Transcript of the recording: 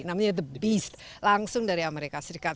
namanya the beast langsung dari amerika serikat